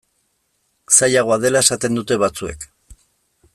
Zailagoa dela esaten dute batzuek.